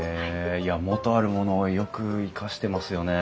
いや元あるものをよく生かしてますよね。